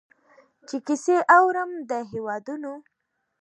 چي کیسې اورم د هیوادونو